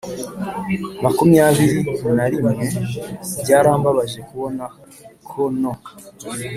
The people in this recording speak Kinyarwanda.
cya makumyabiri na rimwe! byarambabaje kubona ko no